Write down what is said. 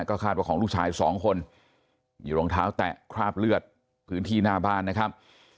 คาดว่าของลูกชายสองคนมีรองเท้าแตะคราบเลือดพื้นที่หน้าบ้านนะครับ